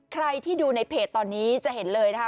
ใครที่ดูในเพจตอนนี้จะเห็นเลยนะคะ